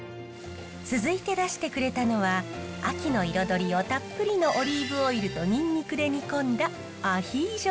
続いて出してくれたのは秋の彩りをたっぷりのオリーブオイルとニンニクで煮込んだアヒージョです。